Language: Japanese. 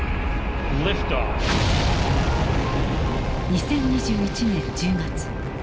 ２０２１年１０月。